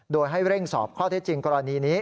โดยให้เร่งสอบข้อเท็จจริงกรณีนี้